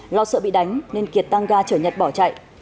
lo sợ bị đánh nên kiệt tăng ga chở nhật bỏ chạy